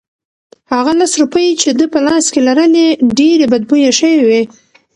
هغه لس روپۍ چې ده په لاس کې لرلې ډېرې بدبویه شوې وې.